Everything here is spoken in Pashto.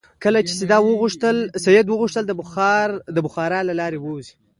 کله چې سید وغوښتل د بخارا له لارې ووځي.